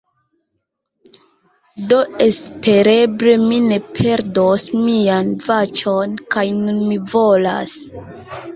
Do espereble mi ne perdos mian voĉon kaj nun mi volas...